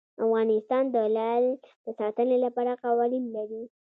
افغانستان د لعل د ساتنې لپاره قوانین لري.